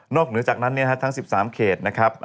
นอกเหนือจากนั้นเนี่ยฮะทั้ง๑๓เขตนะครับ